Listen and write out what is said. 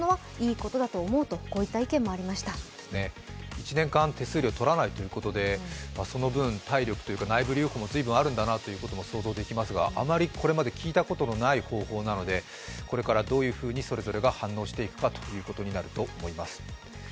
１年間手数料を取らないということでその分、体力というか内部留保も随分あるんだなということも想像できますが今まだあまり聞いたことない内部保留なのでこれからどういうふうにそれぞれが反応していくかということになると思います。